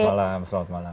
selamat malam selamat malam